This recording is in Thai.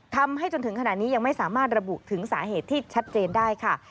จนถึงขณะนี้ยังไม่สามารถระบุถึงสาเหตุที่ชัดเจนได้ค่ะ